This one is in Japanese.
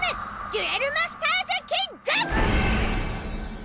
『デュエル・マスターズキング！』。